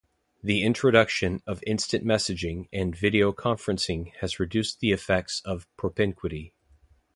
The introduction of instant messaging and video conferencing has reduced the effects of propinquity.